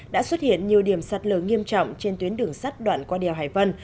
đã xuất hiện nhiều điểm sắt lờ nghiêm trọng trên tuyến đường sắt đoạn qua đèo hải vân